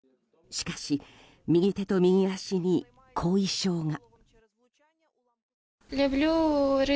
しかし、右手と右足に後遺症が。